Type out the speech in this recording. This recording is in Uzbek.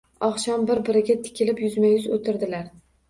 Oqshom bir-biriga tikilib, yuzma-yuz o‘tirdilar.